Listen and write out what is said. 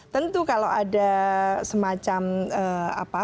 tentu kalau ada semacam apa